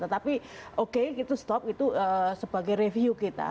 tetapi oke itu stop itu sebagai review kita